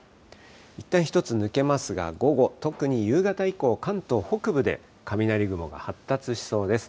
いったん一つ抜けますが、午後、特に夕方以降、関東北部で雷雲が発達しそうです。